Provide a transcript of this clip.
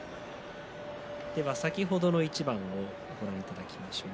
先ほどの一番をご覧いただきます。